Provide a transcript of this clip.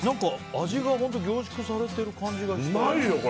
味が本当凝縮されてる感じがして。